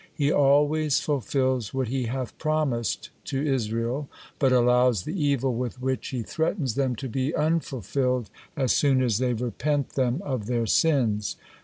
He always fulfils what He hath promised to Israel, but allows the evil with which He threatens them to be unfulfilled as soon as they repent them of their sins.